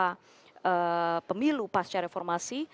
beberapa pemilu pasca reformasi